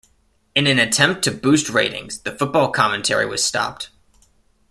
In an attempt to boost ratings, the football commentary was stopped.